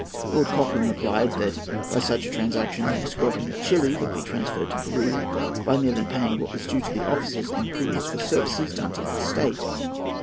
Lord Cochrane replied that 'by such a transaction the squadron of Chili would be transferred to Peru by merely paying what was due to the officers and crews for services done to that State.'